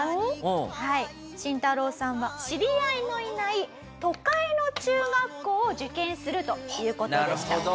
シンタロウさんは知り合いのいない都会の中学校を受験するという事でした。